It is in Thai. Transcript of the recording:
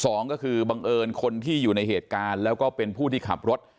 สองก็คือบังเอิญคนที่อยู่ในเหตุการณ์แล้วก็เป็นผู้ที่ขับรถ